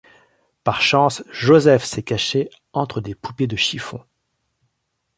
Par chance, Joseph s'est caché entre des poupées de chiffon.